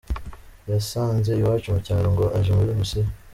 Yansanze iwacu mu cyaro ngo aje muri misiyo.